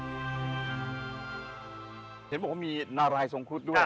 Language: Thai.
เจ็บของมีนารายสงคุศด้วย